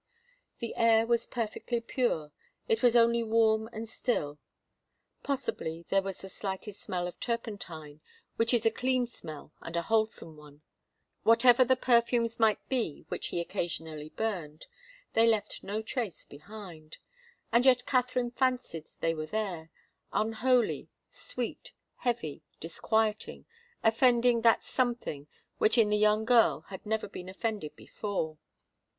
The air was perfectly pure. It was only warm and still. Possibly there was the slightest smell of turpentine, which is a clean smell and a wholesome one. Whatever the perfumes might be which he occasionally burned, they left no trace behind. And yet Katharine fancied they were there unholy, sweet, heavy, disquieting, offending that something which in the young girl had never been offended before.